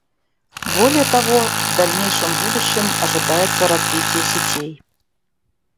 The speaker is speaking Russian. Более того, в дальнейшем будущем ожидается развитие сетей